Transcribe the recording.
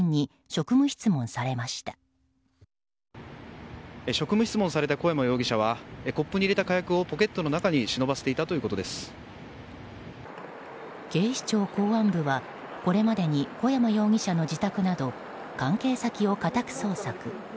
職務質問された小山容疑者はコップに入れた火薬をポケットの中に警視庁公安部は、これまでに小山容疑者の自宅など関係先を家宅捜索。